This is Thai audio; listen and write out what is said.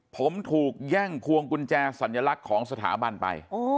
ผมถูกแย่งพวงกุญแจสัญลักษณ์ของสถาบันไป